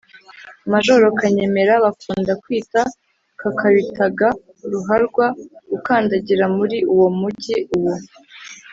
majoro kanyemera bakunda kwita kakabitaga ruharwa gukandagira muri uwo mujyi. uwo